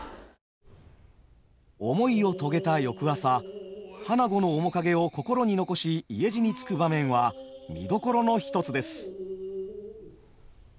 思いを遂げた翌朝花子の面影を心に残し家路につく場面は見どころの一つです。